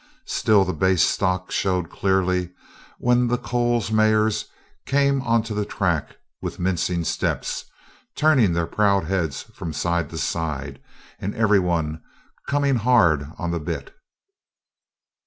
Still, the base stock showed clearly when the Coles mares came onto the track with mincing steps, turning their proud heads from side to side and every one coming hard on the bit.